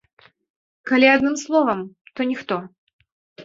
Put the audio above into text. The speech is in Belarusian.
Калі адным словам, то ніхто.